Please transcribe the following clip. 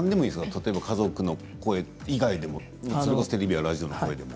例えば家族の声以外でもそれこそテレビやラジオの声も。